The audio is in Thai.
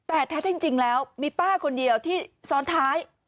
แต่แท้จริงแล้วมีป้าคนเดียวที่ซ้อนท้าย